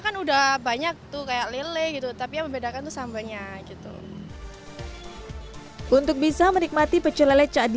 kan udah banyak tuh kayak lele gitu tapi membedakan sama nanya gitu untuk bisa menikmati pecel lele cakdi